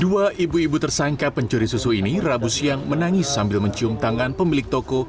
dua ibu ibu tersangka pencuri susu ini rabu siang menangis sambil mencium tangan pemilik toko